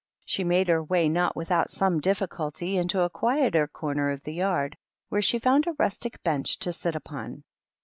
She made her way, not without some diflBculty, into a quieter corner of the yard, where she found a rustic bench to sit upon.